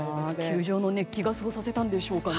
球場の熱気がそうさせたのでしょうかね。